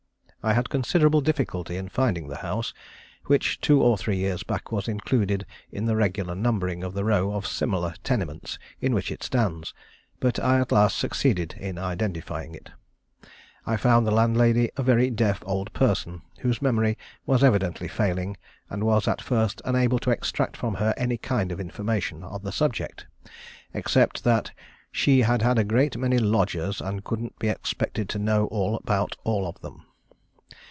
I had considerable difficulty in finding the house, which two or three years back was included in the regular numbering of the row of similar tenements in which it stands; but I at last succeeded in identifying it. I found the landlady a very deaf old person, whose memory was evidently failing, and was at first unable to extract from her any kind of information on the subject, except that "she had had a great many lodgers, and couldn't be expected to know all about all of them."